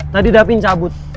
tadi davin cabut